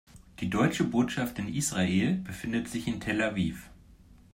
Die Deutsche Botschaft in Israel befindet sich in Tel Aviv.